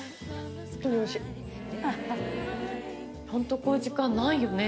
ホントこういう時間ないよね。